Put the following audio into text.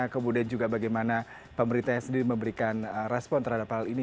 kemudian juga bagaimana pemerintah sendiri memberikan respon terhadap hal ini